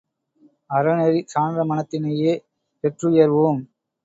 அறநெறி சான்ற மனத்தினையே பெற்றுயர்வோம்!